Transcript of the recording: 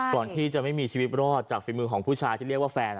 ก่อนที่จะไม่มีชีวิตรอดจากฝีมือของผู้ชายที่เรียกว่าแฟน